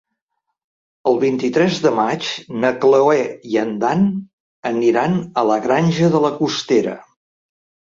El vint-i-tres de maig na Cloè i en Dan aniran a la Granja de la Costera.